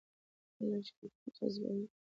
همدغه خپلوان په خپل لښکر کې جذبوي.